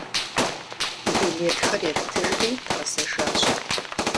Билетхэр еттыжри дгъэзэжащ.